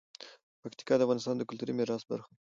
پکتیکا د افغانستان د کلتوري میراث برخه ده.